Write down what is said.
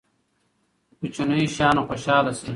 په کوچنیو شیانو خوشحاله شئ.